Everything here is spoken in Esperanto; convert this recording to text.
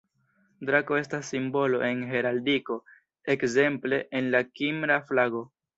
Drako estas simbolo en Heraldiko, ekzemple en la Kimra flago.